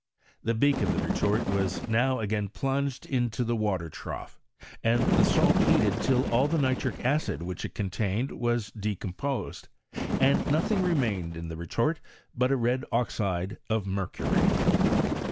The beak of the retort was now again plunged into the water trough, and the salt heated till all the nitric acid which it contained was decomposed, and nothing re mained in the retort but red oxide of mercury.